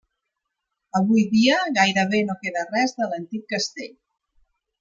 Avui dia gairebé no queda res de l'antic castell.